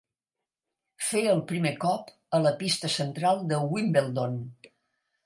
Fer el primer cop a la pista central de Wimbledon.